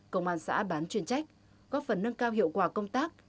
công an xã bán chuyên trách góp phần nâng cao hiệu quả công tác